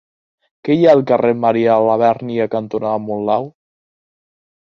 Què hi ha al carrer Marià Labèrnia cantonada Monlau?